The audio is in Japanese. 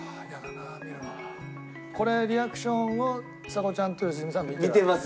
これリアクションをちさ子ちゃんと良純さんは見てる？